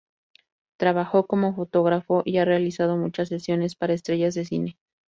Trabaja como fotógrafo y ha realizado muchas sesiones para estrellas de cine.